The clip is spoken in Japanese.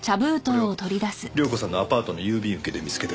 これを亮子さんのアパートの郵便受けで見つけて。